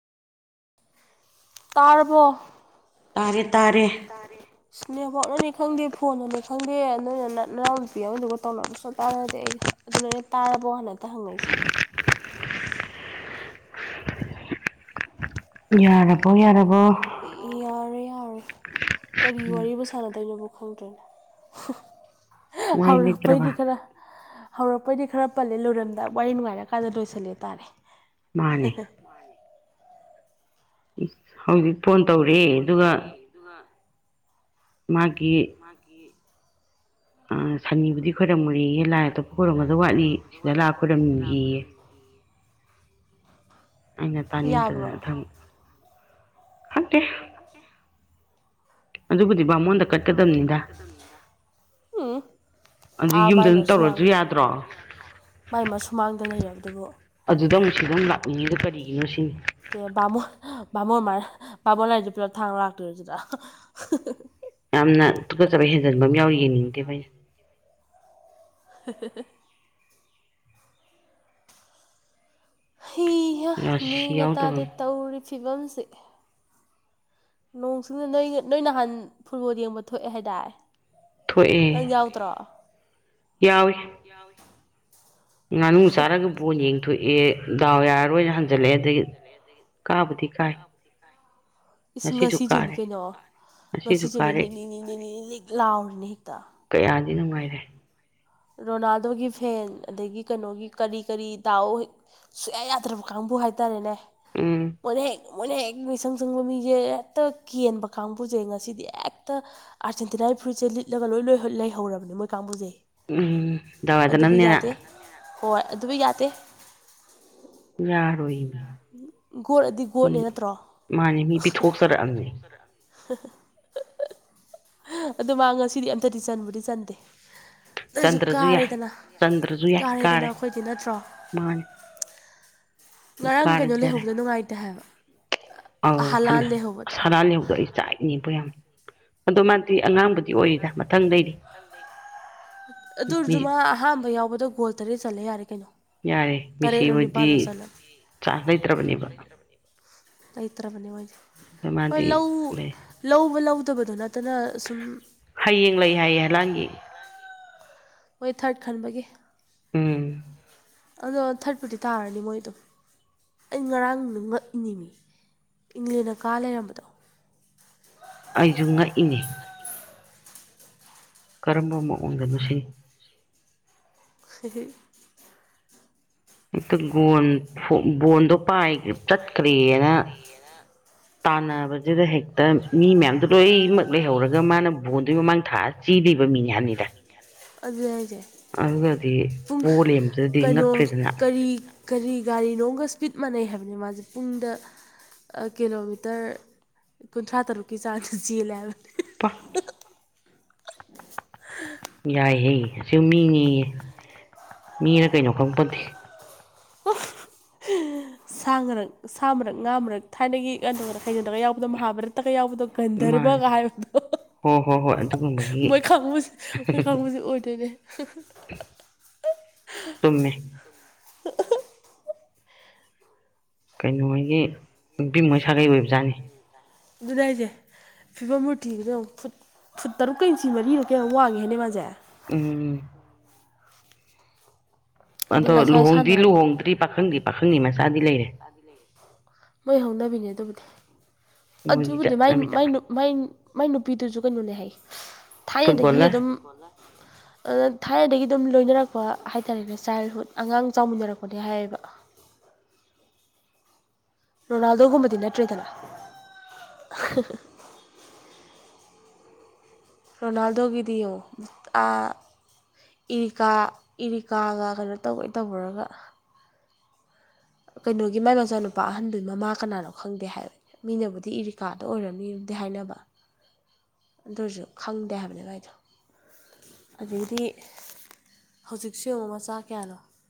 ꯇꯥꯔꯔꯕꯣ ꯇꯥꯔꯦ ꯇꯥꯔꯦ ꯇꯔ ꯇꯥꯔꯦ ꯏꯁꯅꯦꯞꯄꯣꯠꯅꯅꯤ ꯈꯪꯗꯦ ꯐꯣꯟꯅꯅꯤ ꯈꯪꯗꯦ ꯅꯣꯏꯅ ꯅꯛꯅꯔ ꯅꯨꯄꯤꯤꯕꯗꯨꯒ ꯇꯧꯅꯕꯁꯨꯞ ꯇꯥꯟꯅꯗꯦ ꯑꯩ ꯑꯗꯨꯅ ꯑꯩꯅ ꯇꯥꯔꯕꯣ ꯍꯟꯅꯛꯇ ꯍꯪꯉꯛꯏꯁꯦ ꯌꯥꯔ ꯌꯥꯔꯦ ꯌꯥꯔꯦ ꯎꯝ ꯀꯔꯤ ꯋꯥ ꯁꯥꯟꯅꯗꯣꯏꯅꯣ ꯈꯪꯗ꯭ꯔꯦꯅꯦ ꯋꯥꯔꯤ ꯍꯧꯔꯛꯄꯩꯗꯤ ꯂꯩꯇ꯭ꯔꯕ ꯈꯔ ꯍꯧꯔꯛꯄꯩꯗꯤ ꯈꯔ ꯄꯜꯂꯦ ꯂꯣꯏꯔꯝꯗꯥ ꯋꯥꯔꯤ ꯅꯨꯡꯉꯥꯏꯔꯀꯥꯟꯗ ꯂꯣꯏꯁꯤꯜꯂꯦ ꯇꯥꯔꯦ ꯃꯥꯅꯦ ꯍꯗꯤ ꯐꯣꯟ ꯇꯧꯔꯤ ꯐꯣꯟ ꯇꯧꯔꯤ ꯑꯗꯨꯒ ꯃꯥꯒꯤ ꯃꯥꯒꯤ ꯑ ꯁꯅꯤꯕꯨꯗꯤ ꯈꯣꯏꯔꯝꯃꯨꯔꯤꯦ ꯂꯥꯏ ꯑꯇꯣꯞꯄ ꯈꯣꯏꯔꯝꯒꯗ ꯋꯥꯠꯂꯤ ꯁꯤꯗ ꯂꯥꯛ ꯈꯣꯏꯔꯝꯈꯤꯌꯦ ꯑꯩꯅ ꯌꯥꯕ꯭ꯔꯣ ꯇꯥꯅꯤꯡꯗꯗꯅ ꯊ ꯈꯗꯦ ꯑꯗꯨꯦ ꯑꯗꯨꯕꯨꯗꯤ ꯕꯥꯃꯣꯟꯟ ꯎꯝ ꯑꯗꯨ ꯑꯥ ꯌꯨꯝꯗ ꯑꯗꯨꯝ ꯃꯥꯏꯕ ꯁꯨꯃꯥꯡ ꯇꯧꯔꯁꯨ ꯌꯥꯗ꯭ꯔꯣ ꯃꯥꯏ ꯃꯥ ꯁꯨꯃꯥꯡꯗ ꯂꯩꯔꯕꯗꯨꯕꯨ ꯑꯗꯨꯗ ꯑꯃꯨꯛ ꯁꯤꯗꯝ ꯂꯥꯛꯅꯤꯡꯉꯤꯗ ꯀꯔꯤꯒꯤꯅꯣ ꯁꯤꯅꯤ ꯑꯦ ꯕꯥꯃꯣꯟ ꯕꯥꯃꯣꯟ ꯃꯥ ꯕꯥꯃꯣꯟ ꯂꯥꯏꯔꯤꯁꯦ ꯄꯨꯂꯞ ꯊꯥꯡ ꯂꯥꯛꯇꯣꯏꯔꯤꯁꯤꯗ ꯌꯥꯝꯅ ꯊꯨꯀꯠꯆꯕ ꯍꯦꯟꯖꯟꯕ ꯑꯃ ꯌꯥꯎꯔꯤ ꯌꯦꯡꯅꯤꯡꯗꯦꯕꯣꯏꯩꯅ [inaudible] ꯍꯤ ꯍ ꯔꯥꯁꯤ ꯃꯡꯒ ꯌꯥꯎꯗꯕ ꯇꯥꯗꯦ ꯑꯃ ꯇꯧꯔꯤ ꯐꯤꯕꯝꯁꯦ ꯅꯣꯡꯁꯤꯡꯤꯡꯅ ꯅꯣꯏ ꯅꯣꯏ ꯅꯍꯥꯟ ꯐꯨꯠꯕꯣꯜ ꯌꯦꯡꯕ ꯊꯣꯛꯑꯦ ꯍꯥꯏꯇꯥꯔꯦ ꯊꯣꯛꯑꯦ ꯌꯥꯎꯋꯤ ꯌꯥꯎ ꯉꯥꯅꯨ ꯆꯥꯔꯒ ꯕꯣꯟ ꯌꯦꯡꯊꯣꯛꯑꯦ ꯗꯥꯎ ꯌꯥꯔꯔꯣꯏꯅ ꯍꯟꯖꯜꯂꯛꯑꯦ ꯑꯗꯒꯤ ꯀꯥꯕꯗꯤ ꯀꯥꯏ ꯏꯁ ꯉꯁꯤꯁꯨ ꯉꯁꯤꯁꯨꯅꯤ ꯀꯥꯔꯦ ꯀꯩꯅꯣ ꯉꯁꯤꯁꯨ ꯉꯁꯤꯁꯨꯅ ꯀꯥꯔꯦ ꯅꯤꯛꯂꯤꯅꯤ ꯅꯤꯛꯂꯤꯅꯤ ꯂꯤꯅꯤꯛ ꯂꯥꯎꯔꯤꯅꯦ ꯍꯦꯛꯇ ꯀꯌꯥꯗꯤ ꯅꯨꯡꯉꯥꯏꯔꯦ ꯔꯣꯅꯥꯜꯗꯣꯒꯤ ꯐꯦꯟ ꯑꯗꯒꯤ ꯀꯩꯅꯣꯒꯤ ꯀꯔꯤ ꯀꯔꯤ ꯇꯥꯛꯑꯣ ꯁꯨꯌꯥ ꯌꯥꯗ꯭ꯔꯕ ꯀꯥꯡꯕꯨ ꯍꯥꯏꯇꯥꯔꯦꯅꯦ ꯎꯝ ꯃꯣꯏꯅ ꯍꯦꯛ ꯃꯣꯏꯅ ꯍꯦꯛ ꯃꯤꯁꯪ ꯁꯪꯕ ꯃꯤꯁꯦ ꯍꯦꯛꯇ ꯀꯦꯟꯕ ꯀꯥꯡꯕꯨꯁꯦ ꯉꯁꯤꯗꯤ ꯍꯦꯛꯇ ꯑꯥꯔꯖꯦꯟꯇꯤꯅꯥꯒꯤ ꯐ꯭ꯔꯨꯏꯠꯁꯦ ꯂꯤꯠꯂꯒ ꯂꯣꯏ ꯂꯣꯏ ꯂꯩꯍꯧꯔꯕꯅꯦ ꯃꯣꯏ ꯀꯥꯡꯕꯨꯁꯦ ꯎꯝ ꯗꯥꯎ ꯑꯗꯨꯕꯨ ꯌꯥꯗꯅꯕꯅꯤꯅ ꯌꯥꯗꯦ ꯍꯣꯏ ꯑꯗꯨꯕꯨ ꯌꯥꯗꯦ ꯌꯥꯔꯣꯏꯅꯦ ꯒꯣꯠꯑꯗꯤ ꯒꯣꯠꯅꯦ ꯅꯠꯇ꯭ꯔꯣ ꯃꯥꯅꯤ ꯃꯤ ꯄꯤꯊꯣꯛꯆꯔꯛꯑꯕꯅꯤ ꯑꯗꯨ ꯃꯥ ꯉꯁꯤꯗꯤ ꯑꯝꯊꯗꯤ ꯆꯟꯕꯨꯗꯤ ꯆꯟꯗꯦ ꯅꯁꯨ ꯆꯟꯗ꯭ꯔꯁꯨ ꯌꯥꯏ ꯀꯥꯔꯦꯗꯅ ꯀꯥꯔꯦꯗꯅ ꯑꯩꯈꯣꯏꯗꯤ ꯅꯠꯇ꯭ꯔꯣ ꯃꯥꯅꯦ ꯉꯔꯥꯡ ꯀꯩꯅꯣ ꯌꯥꯔꯦ ꯂꯩꯍꯧꯕꯗ ꯅꯨꯡꯉꯥꯏꯇꯦ ꯍꯥꯏꯕ ꯑꯧ ꯍꯂꯥꯟ ꯍꯜꯂ ꯂꯩꯍꯧꯕꯗꯣ ꯁꯔꯥ ꯂꯍꯧꯗꯣꯛ ꯑꯩ ꯆꯥꯛ ꯏꯅꯦꯕꯌꯥꯝ ꯑꯗꯣ ꯃꯥꯗꯤ ꯑꯉꯥꯡꯕꯨꯗꯤ ꯑꯣꯏꯔꯤꯗ ꯃꯊꯪꯗꯔꯤ ꯑꯗꯨꯔꯁꯨ ꯃꯥ ꯑꯍꯥꯟꯕ ꯌꯥꯎꯕꯗ ꯒꯣꯜ ꯇꯔꯦꯠ ꯆꯜꯂꯦ ꯌꯥꯔꯦ ꯀꯩꯅꯣ ꯌꯥꯔꯦ ꯃꯦꯁꯤ ꯇꯔꯦꯠꯂꯣ ꯍꯣꯏꯗꯤ ꯅꯤꯄꯥꯜꯂꯣ ꯆꯜꯂꯝ ꯆꯥꯟꯁ ꯂꯩꯇ꯭ꯔꯕꯅꯦꯕ ꯂꯩꯇ꯭ꯔꯕꯅꯦ ꯃꯣꯏꯁꯦ ꯑꯗꯣ ꯍꯣꯏ ꯃꯥꯗꯤ ꯂꯧ ꯂꯩ ꯂꯧꯕ ꯂꯧꯗꯕꯗ ꯅꯠꯇꯅ ꯁꯨꯝ ꯍꯌꯦꯡ ꯂꯩ ꯍꯥꯏꯌꯦ ꯍꯂꯥꯡꯒꯤ ꯃꯣꯏ ꯊꯥꯔꯠ ꯈꯟꯕꯒꯤ ꯎꯝ ꯑꯗꯣ ꯊꯥꯔꯠꯄꯨꯔꯗꯤ ꯇꯥꯔꯅꯤ ꯃꯣꯏꯗꯣ ꯑꯩ ꯉꯔꯥꯡ ꯉꯛꯏꯅꯤꯡꯃꯤ ꯏꯪꯂꯦꯟꯅ ꯀꯥ ꯂꯩꯔꯝꯕꯗꯣ ꯑꯩꯁꯨ ꯉꯛꯏꯅꯦ ꯀꯔꯝꯕ ꯃꯑꯣꯡꯗꯅꯣꯁꯤ [unintelligible] ꯍꯦꯛꯇ ꯒꯣꯟ ꯕꯣꯟꯗꯣ ꯄꯥꯏ ꯆꯠꯈ꯭ꯔꯦꯅ ꯇꯥꯅꯕ ꯑꯗꯨꯗ ꯍꯦꯛꯇ ꯃꯤ ꯃꯌꯥꯝꯗꯣ ꯂꯣꯏꯅꯃꯛ ꯂꯩꯍꯧꯔꯒ ꯃꯥꯅ ꯕꯣꯟꯗꯨ ꯃꯃꯥꯡ ꯊꯥꯑ ꯆꯤꯗꯔꯤꯕ ꯃꯤ ꯃꯌꯥꯝꯅꯤꯗ ꯑꯗꯨ ꯍꯥꯏꯁꯦ ꯄꯨꯡ ꯄꯣ ꯂꯩꯔꯝꯕꯗꯨꯗꯗꯤ ꯀꯩꯅꯣ ꯉꯛꯈ꯭ꯔꯦꯗꯅ ꯀꯔꯤ ꯀꯔꯤ ꯒꯥꯔꯤꯅꯣꯒ ꯁ꯭ꯄꯤꯠ ꯃꯥꯟꯅꯩ ꯍꯥꯏꯕꯅꯤ ꯃꯥꯁꯦ ꯄꯨꯡꯗ ꯀꯤꯂꯣꯃꯤꯇꯔ ꯀꯨꯟꯊ꯭ꯔꯥꯇꯔꯨꯛ ꯆꯥꯟꯁꯨ ꯆꯖꯤꯌꯦ ꯂꯦꯕ [unintelligible] ꯌꯥꯏꯍꯦ ꯁꯤꯨꯝ ꯃꯤꯅꯤꯌꯦ ꯃꯤꯅ ꯀꯩꯅꯣ ꯈꯪꯄꯗꯦ [unintelligible] ꯁꯥ ꯉꯔꯛ ꯁꯥ ꯃꯔꯛ ꯉꯥ ꯃꯔꯛ ꯊꯥꯏꯅꯒꯤ ꯀꯩꯅ ꯀꯩꯩꯅꯗꯒ ꯌꯥꯎꯕꯗꯣ ꯃꯍꯥꯚꯥꯔꯠꯇꯒ ꯌꯥꯎꯕꯗꯣ ꯃꯥꯅꯦ ꯒꯟꯗꯔꯕꯒ ꯍꯥꯏꯕꯗꯣ ꯍꯣꯏ ꯍꯣꯏ ꯍꯣꯏ ꯑꯗꯨꯒꯨꯝꯕꯒꯤ ꯃꯣꯏ ꯈꯪꯕ ꯃꯣꯏ ꯈꯪꯕꯁꯤ ꯑꯣꯏꯗꯣꯏꯅꯦ ꯇꯨꯝꯃꯦ [unintelligible] ꯀꯩꯅꯣꯒꯤ ꯅꯨꯄꯤ ꯃꯣꯏ ꯁꯥꯒꯩ ꯑꯣꯏꯕꯖꯥꯠꯅꯤ ꯑꯗꯨꯅꯦ ꯍꯥꯏꯁꯦ ꯐꯤꯕꯝ ꯃꯨꯔꯇꯤꯗꯨꯗ ꯐꯨꯠ ꯐꯨꯠ ꯇꯔꯨꯛꯀ ꯏꯟꯆꯤ ꯃꯔꯤꯗꯣ ꯀꯌꯥ ꯋꯥꯡꯒꯦ ꯍꯥꯏꯅꯦ ꯃꯥꯁꯦ ꯎꯝ ꯑꯗꯩ ꯑꯗꯣ ꯉꯁꯥꯏ ꯂꯨꯍꯣꯡꯗꯤ ꯁꯥꯟꯅꯕ ꯂꯨꯍꯣꯡꯗ꯭ꯔꯤ ꯄꯥꯈꯪꯗꯤ ꯄꯥꯈꯪꯗꯤ ꯃꯆꯥꯗꯤ ꯂꯩꯔꯦ ꯃꯣꯏ ꯍꯧꯅꯕꯤꯅꯦ ꯑꯗꯨꯕꯨꯗꯤ ꯃꯣꯏꯒꯤ ꯑꯗꯨꯕꯨꯗꯤ ꯃꯥꯏ ꯆꯠꯅꯕꯤꯗ ꯃꯥꯏ ꯃꯥꯏ ꯃꯥꯏ ꯅꯨꯄꯤꯗꯨꯁꯨ ꯀꯩꯅꯣꯅꯦ ꯍꯥꯏ ꯊꯥꯏꯅꯗꯒꯤ ꯐꯨꯠꯕꯣꯂꯔ ꯑꯗꯨꯝ ꯊꯥꯏꯅꯗꯒꯤ ꯑꯗꯨꯝ ꯂꯣꯏꯅꯔꯛꯄ ꯍꯥꯏꯇꯥꯔꯦꯅꯦ ꯆꯥꯏꯜꯍꯨꯗ ꯑꯉꯥꯡ ꯆꯥꯎꯃꯤꯟꯅꯔꯛꯄꯅꯦ ꯍꯥꯏꯌꯦꯕ ꯔꯣꯅꯥꯜꯗꯣꯒꯨꯝꯕꯗꯤ ꯅꯠꯇ꯭ꯔꯦꯗꯅ ꯔꯣꯅꯥꯜꯗꯣꯒꯤꯗꯤ ꯌꯦꯑꯣ ꯑ ꯏꯔꯤꯀꯥ ꯏꯔꯤꯀꯥꯒ ꯀꯩꯅꯣ ꯇꯧꯕꯩ ꯇꯧꯕꯨꯔꯒ ꯀꯩꯅꯣꯒꯤ ꯃꯥꯏ ꯃꯆꯥ ꯅꯨꯄꯥ ꯑꯍꯟꯗꯨ ꯃꯃꯥ ꯀꯅꯥꯅꯣ ꯈꯪꯗꯦ ꯍꯥꯏꯕꯦ ꯃꯤꯅꯕꯨꯗꯤ ꯏꯔꯤꯀꯥꯗ ꯑꯣꯏꯔꯝꯅꯤꯗꯤ ꯍꯥꯏꯅꯕ ꯑꯗꯨꯔꯁꯨ ꯈꯪꯗꯦ ꯍꯥꯏꯕꯅꯤ [unintelligible] ꯑꯗꯩꯗꯤ ꯍꯧꯖꯤꯛꯁꯨ ꯌꯦꯡꯉꯣ ꯃꯆꯥ ꯀꯌꯥꯅꯣ